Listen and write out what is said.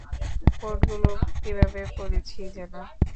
কোডগুলো কীভাবে পড়েছি যেন?